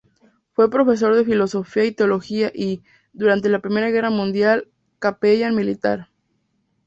Fue profesor de filosofía y teología y, durante la Primera Guerra Mundial, capellán militar.